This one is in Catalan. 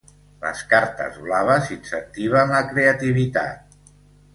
Les cartes blaves incentiven la creativitat.